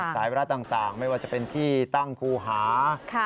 สายระต่างไม่ว่าจะเป็นที่ตั้งครูหา